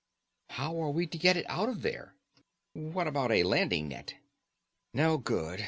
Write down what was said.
"How are we to get it out of there?" "What about a landing net?" "No good.